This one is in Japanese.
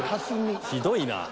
ひどいなぁ。